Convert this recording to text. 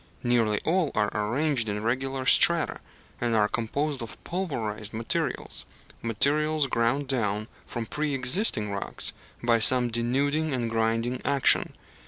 Nearly all are arranged in regular strata, and are composed of pulverized materials materials ground down from pre existing rocks by some denuding and grinding action.